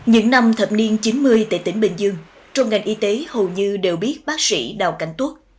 những năm thập niên chín mươi tại tỉnh bình dương trong ngành y tế hầu như đều biết bác sĩ đào cảnh tuốt